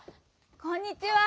こんにちは。